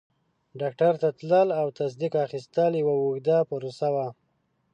ډاکټر ته تلل او تصدیق اخیستل یوه اوږده پروسه وه.